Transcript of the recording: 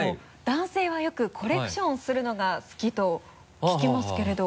男性はよくコレクションするのが好きと聞きますけれど。